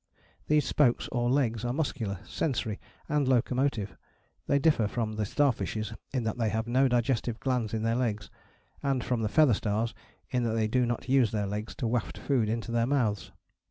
These spokes or legs are muscular, sensory and locomotive; they differ from the starfishes in that they have no digestive glands in their legs, and from the feather stars in that they do not use their legs to waft food into their mouths.